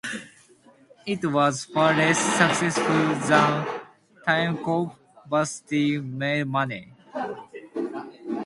It was far less successful than "Timecop" but still made money.